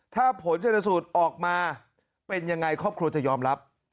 ถ้าผลชนสูตรออกมาเป็นยังไงครอบครัวจะยอมรับ